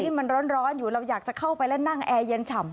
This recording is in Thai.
มันร้อนอยู่เราอยากจะเข้าไปแล้วนั่งแอร์เย็นฉ่ำ